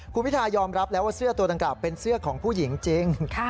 คุณพิทายอมรับแล้วว่าเสื้อตัวดังกล่าวเป็นเสื้อของผู้หญิงจริง